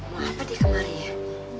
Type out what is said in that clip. mau apa dia kemari ya